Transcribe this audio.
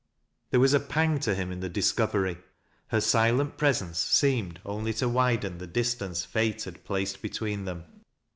There was a pang to him in the discovery. Her silent presence seemed only to widen the distance Fate had placed between them.